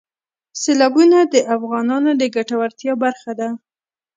سیلابونه د افغانانو د ګټورتیا برخه ده.